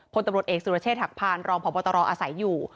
คนตำรวจเอกสุรเชษฐกภัณฑ์รองพพอาศัยอยู่